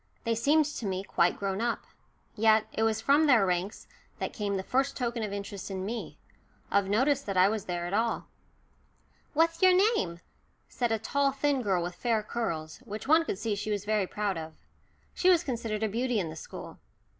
They seemed to me quite grown up. Yet it was from their ranks that came the first token of interest in me of notice that I was there at all. "What's your name?" said a tall thin girl with fair curls, which one could see she was very proud of. She was considered a beauty in the school.